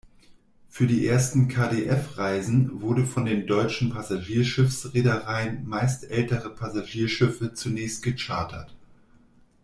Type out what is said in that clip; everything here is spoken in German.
Für die ersten KdF-Reisen wurden von den deutschen Passagierschiffs-Reedereien meist ältere Passagierschiffe zunächst gechartert.